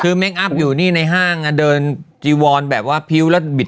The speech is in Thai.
คือเมคอัพอยู่นี่ในห้างเดินจีวอนแบบว่าพิ้วแล้วบิด